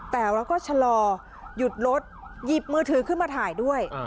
แต่เราก็ชะลอหยุดรถหยิบมือถือขึ้นมาถ่ายด้วย